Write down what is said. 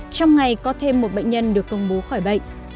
trong ngày có thêm một bệnh nhân được công bố khỏi bệnh